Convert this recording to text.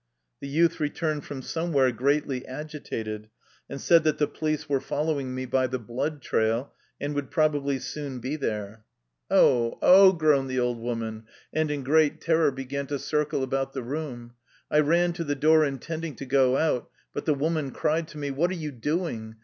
The youth returned from somewhere greatly agitated, and said that the police were following me by the blood trail, and would probably soon be there. 148 THE LIFE STOEY OF A EUSSIAN EXILE " Oh, oh !" groaned the old woman, and in great terror began to circle about the room. I ran to the ^oor, intending to go out, but the woman cried to me: "What are you doing?